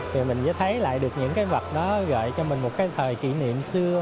thì mình mới thấy lại được những cái vật đó gợi cho mình một cái thời kỷ niệm xưa